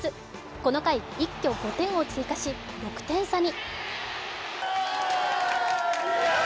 この回、一挙５点を追加し、６点差に。